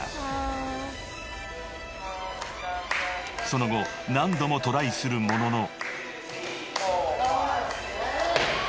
［その後何度もトライするものの］